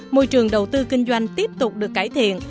môi trường đầu tư kinh doanh tiếp tục được cải thiện